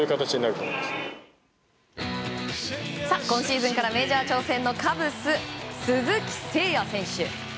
今シーズンからメジャー挑戦のカブス、鈴木誠也選手。